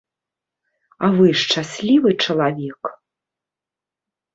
А вы шчаслівы чалавек?